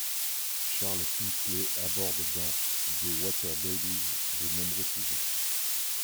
Charles Kingsley aborde dans The Water-Babies de nombreux sujets.